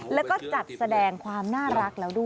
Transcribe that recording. แล้วก็จัดแสดงความน่ารักแล้วด้วย